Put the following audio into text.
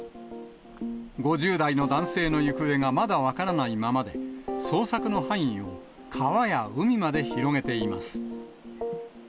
５０代の男性の行方がまだ分からないままで、捜索の範囲を川や海まで広げています。